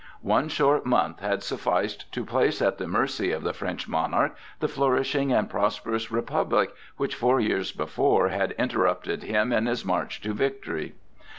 One short month had sufficed to place at the mercy of the French monarch the flourishing and prosperous Republic, which four years before had interrupted him in his march of victory.